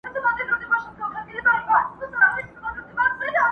o بې نصيبه خواړه گران دي٫